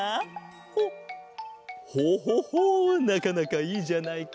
ほうほほほうなかなかいいじゃないか。